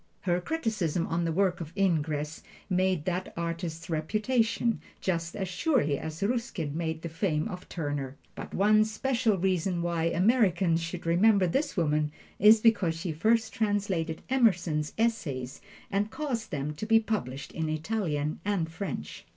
Her criticism on the work of Ingres made that artist's reputation, just as surely as Ruskin made the fame of Turner. But one special reason why Americans should remember this woman is because she first translated Emerson's "Essays" and caused them to be published in Italian and French.